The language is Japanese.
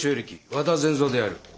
和田善蔵である。